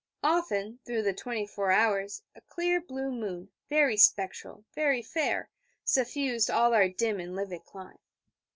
Often, through the twenty four hours, a clear blue moon, very spectral, very fair, suffused all our dim and livid clime.